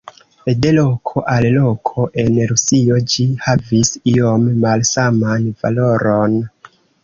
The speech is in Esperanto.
De loko al loko en Rusio ĝi havis iom malsaman valoron.